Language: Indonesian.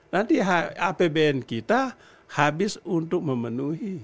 nanti apbn kita habis untuk memenuhi